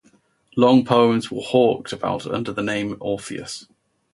Long poems were hawked about under the name Orpheus.